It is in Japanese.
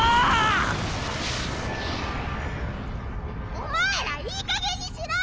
お前らいいかげんにしろ！